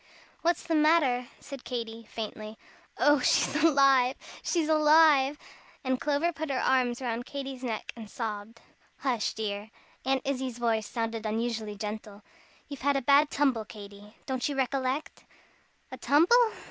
"What's the matter?" said Katy, faintly. "Oh, she's alive she's alive!" and Clover put her arms round Katy's neck and sobbed. "Hush, dear!" Aunt Izzie's voice sounded unusually gentle. "You've had a bad tumble, Katy. Don't you recollect?" "A tumble?